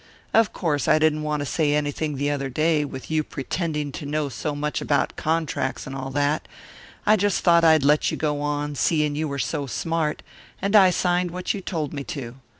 Of course I didn't want to say anything the other day, with you pretending to know so much about contracts and all that I just thought I'd let you go on, seeing you were so smart and I signed what you told me to.